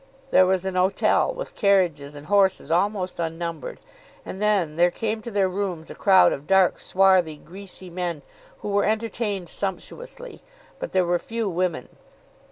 There was an hotel, with carriages and horses almost unnumbered; and then there came to their rooms a crowd of dark, swarthy, greasy men, who were entertained sumptuously; but there were few women.